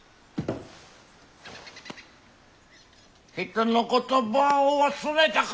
人の言葉を忘れたか。